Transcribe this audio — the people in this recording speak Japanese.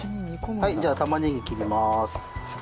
はいじゃあ玉ねぎ切ります。